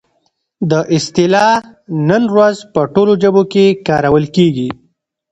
دا اصطلاح نن ورځ په ټولو ژبو کې کارول کیږي.